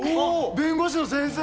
弁護士の先生！